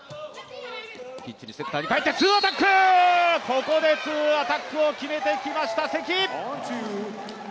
ここでツーアタックを決めていきました、関！